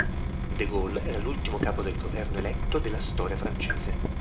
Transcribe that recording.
De Gaulle era l'ultimo capo del governo eletto della storia francese.